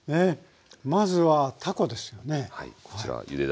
まずはたこですよね。